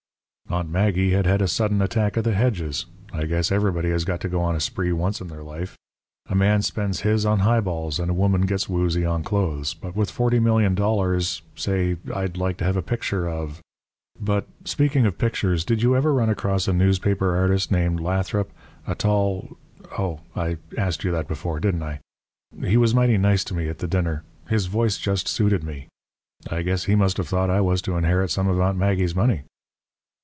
"Aunt Maggie had had a sudden attack of the hedges. I guess everybody has got to go on a spree once in their life. A man spends his on highballs, and a woman gets woozy on clothes. But with forty million dollars say, I'd like to have a picture of but, speaking of pictures, did you ever run across a newspaper artist named Lathrop a tall oh, I asked you that before, didn't I? He was mighty nice to me at the dinner. His voice just suited me. I guess he must have thought I was to inherit some of Aunt Maggie's money.